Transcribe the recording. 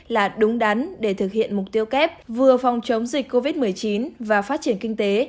là đúng đắn để thực hiện mục tiêu kép vừa phòng chống dịch covid một mươi chín và phát triển kinh tế